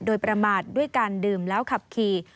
โดยประมาทด้วยการดื่มแล้วขับขี่